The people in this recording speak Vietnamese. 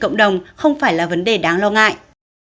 cộng đồng không phải là vấn đề đáng lo ngại